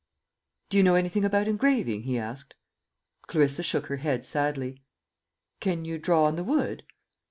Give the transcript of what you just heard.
"Do you know anything about engraving?" he asked. Clarissa shook her head sadly. "Can you draw on the wood?"